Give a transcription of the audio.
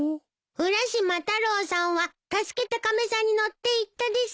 浦島太郎さんは助けた亀さんに乗っていったです。